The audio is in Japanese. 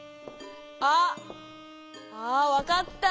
あ！あ分かった！